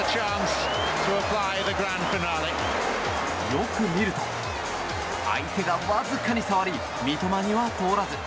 よく見ると相手がわずかに触り三笘には通らず。